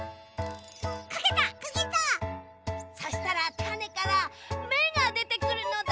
そしたらたねからめがでてくるのだ。